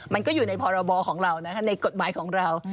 มันก็อยู่ในพรบของเรานะคะในกฎหมายของเรา